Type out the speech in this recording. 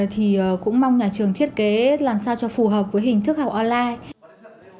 thì cũng mong nhà trường thiết kế làm sao cho phù hợp với hình thức học online